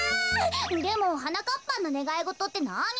でもはなかっぱんのねがいごとってなに？